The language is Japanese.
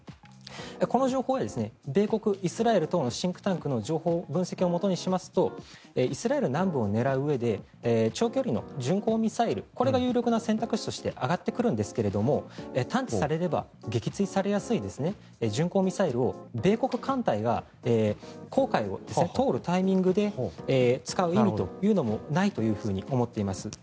この情報は米国、イスラエル等のシンクタンクの分析をもとにしますとイスラエル南部を狙ううえで長距離の巡航ミサイルこれが有力な選択肢として挙がってくるんですが探知されれば、撃墜されやすい巡航ミサイルを米国艦隊が紅海を通るタイミングで使う意味というのもないと思っています。